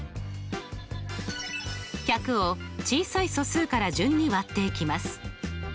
１００を小さい素数から順に割っていきます。